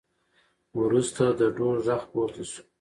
وروسته د ډول غږ پورته شو